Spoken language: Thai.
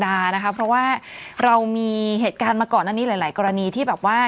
นะคะเพราะว่าเรามีเหตุการณ์มาก่อนอันนี้หลายหลายกรณีที่แบบว่า